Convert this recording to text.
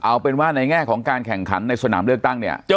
เอาเป็นว่าในแง่ของการแข่งขันในสนามเลือกตั้งเนี่ย